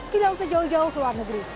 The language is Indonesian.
tidak usah jauh jauh ke luar negeri